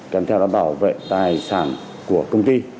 kèm theo đó bảo vệ tài sản của công ty